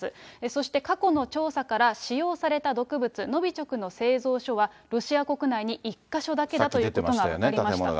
そして過去の調査から使用された毒物、ノビチョクの製造所は、ロシア国内に１か所だけだということが分かりました。